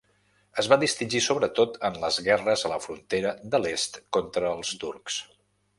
Es va distingir sobretot en les guerres a la frontera de l'est contra els turcs.